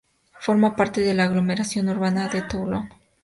Forma parte de la aglomeración urbana de Toulon.